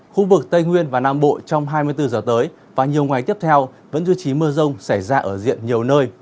khu vực tây nguyên và nam bộ trong hai mươi bốn giờ tới và nhiều ngày tiếp theo vẫn duy trì mưa rông xảy ra ở diện nhiều nơi